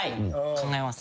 考えます。